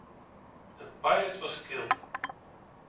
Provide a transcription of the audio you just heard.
The pilot was killed.